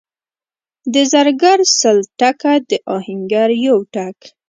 د زرګر سل ټکه، د اهنګر یو ټک.